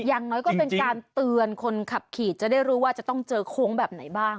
อย่างน้อยก็เป็นการเตือนคนขับขี่จะได้รู้ว่าจะต้องเจอโค้งแบบไหนบ้าง